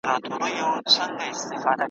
له خوراکه یې د غوښو ځان ساتلی ,